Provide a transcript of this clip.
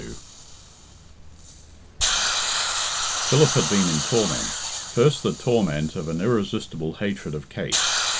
XXII. Philip had been in torment first the torment of an irresistible hatred of Kate.